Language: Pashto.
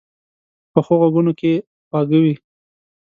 پخو غږونو کې خواږه وي